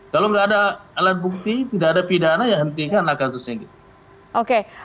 kalau nggak ada alat bukti tidak ada pidana ya hentikanlah kasusnya gitu